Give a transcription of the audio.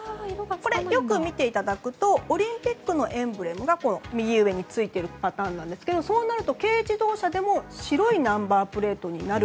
よく見ていただくとオリンピックのエンブレムが右上についているパターンですがそうなると軽自動車でも白いナンバープレートになる。